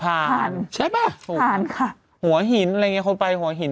ผ่านใช่ป่ะสงสารค่ะหัวหินอะไรอย่างเงี้คนไปหัวหิน